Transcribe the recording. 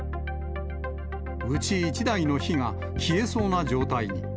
うち１台の火が消えそうな状態に。